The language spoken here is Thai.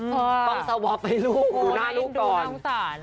ต้องสวอปให้ลูกดูหน้าลูกก่อนสงสาร